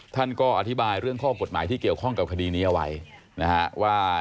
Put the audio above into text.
ท่านก็อธิบายเรื่องข้อกฎหมายที่เกี่ยวข้องกับคดีนี้เอาไว้นะฮะว่า